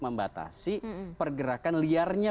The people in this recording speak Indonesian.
membatasi pergerakan liarnya